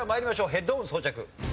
ヘッドホン装着。